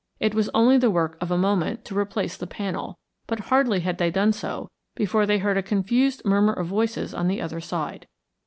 It was only the work of a moment to replace the panel, but hardly had they done so before they heard a confused murmur of voices on the other side.